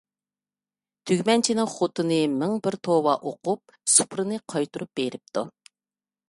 تۈگمەنچىنىڭ خوتۇنى مىڭ بىر توۋا ئوقۇپ، سۇپرىنى قايتۇرۇپ بېرىپتۇ.